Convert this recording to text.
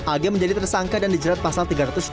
ag menjadi tersangka dan dijerat pasal tiga ratus dua puluh